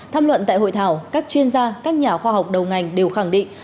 tham luận tại hội thảo các chuyên gia các nhà khoa học đầu ngành đều khẳng định